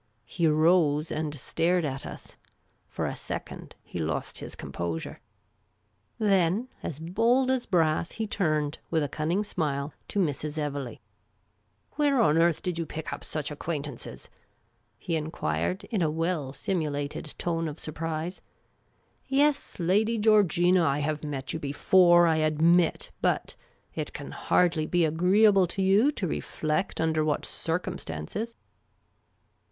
He rose and stared at us. For a second he lost his composure. Then, as bold as brass, he turned, with a cunning smile, to Mrs. Evelegh. " Where on earth did you pick, up such acquaintances ?" he enquired, in a well simulated tone of surprise. " Yes, Lady Georgina, I have met you before, I admit ; but — it can hardly be agree able to you to reflect under what circumstances."